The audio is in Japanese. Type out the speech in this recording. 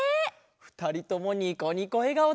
ふたりともニコニコえがおだよ！